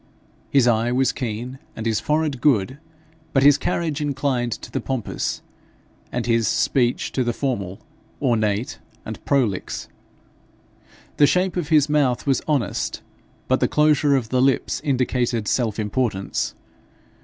His eye was keen, and his forehead good, but his carriage inclined to the pompous, and his speech to the formal, ornate, and prolix. The shape of his mouth was honest, but the closure of the lips indicated self importance.